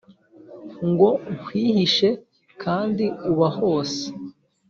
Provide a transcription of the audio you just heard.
ngo nkwihishe kandi uba hose